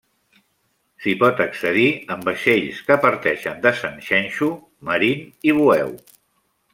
S'hi pot accedir en vaixells que parteixen de Sanxenxo, Marín i Bueu.